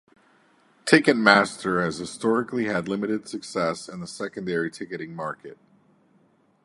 Ticketmaster has historically had limited success in the secondary ticketing market.